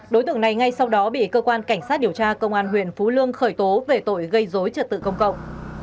đối tượng này ngay sau đó bị cơ quan cảnh sát điều tra công an huyện phú lương khởi tố về tội gây dối trật tự công cộng